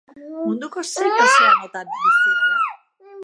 Munduko zein ozeanotan bizi dira?